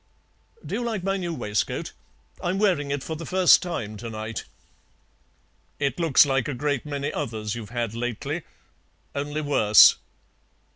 Do you like my new waistcoat? I'm wearing it for the first time to night." "It looks like a great many others you've had lately, only worse.